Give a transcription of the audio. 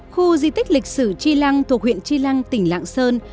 khu di tích lịch sử chi lăng thuộc huyện chi lăng tỉnh lạng sơn